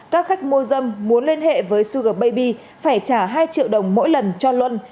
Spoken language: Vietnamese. các khách mô dâm muốn liên hệ với sugar baby phải trả hai triệu đồng mỗi lần cho luân